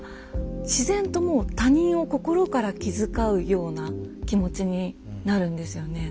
自然ともう他人を心から気遣うような気持ちになるんですよね。